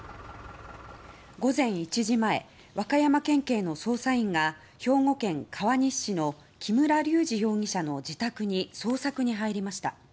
午前１時前和歌山県警の捜査員が兵庫県川西市の木村隆二容疑者の自宅に捜索に入りました。